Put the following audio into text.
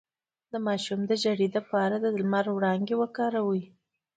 د ماشوم د ژیړي لپاره د لمر وړانګې وکاروئ